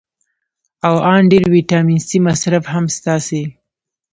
او ان ډېر ویټامین سي مصرف هم ستاسې